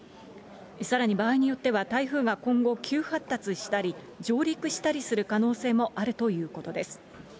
さらに場合によっては台風が今後、急発達したり、上陸したりする可能性もあるということです。